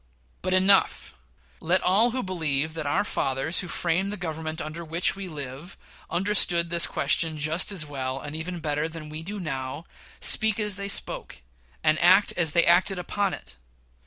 But enough! Let all who believe that "our fathers, who framed the Government under which we live, understood this question just as well, and even better than we do now," speak as they spoke, and act as they acted upon it.